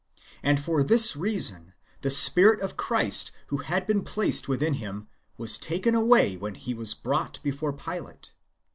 And for this reason the Spirit of Christ, who had been placed within Him, was taken away when He was brought before Pilate.